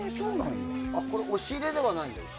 押し入れではないんだ？